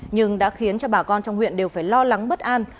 nhưng đã khiến cho bà con trong huyện đều phải lo lắng bất an